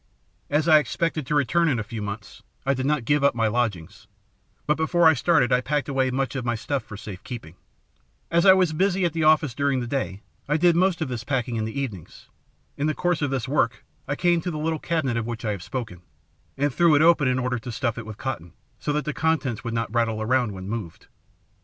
As I expected to return in a few months, I did not give up my lodgings, but before I started I packed away much of my stuff for safe keeping. As I was busy at the office during the day, I did the most of this packing in the evenings. In the course of this work I came to the little cabinet of which I have spoken, and threw it open in order to stuff it with cotton, so that the contents would not rattle about when moved."